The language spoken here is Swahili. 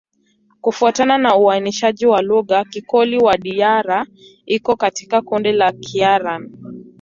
Kufuatana na uainishaji wa lugha, Kikoli-Wadiyara iko katika kundi la Kiaryan.